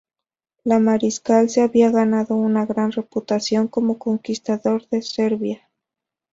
El mariscal se había ganado una gran reputación como conquistador de Serbia.